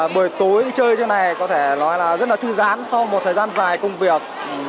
buổi tối chơi trước này có thể nói là rất là thư giãn so với một thời gian dài công việc